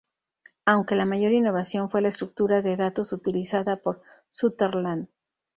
Aunque la mayor innovación fue la estructura de datos utilizada por Sutherland.